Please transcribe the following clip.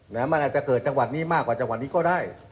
มันอาจจะเกิดจังหวัดนี้มากกว่าจังหวัดนี้ก็ได้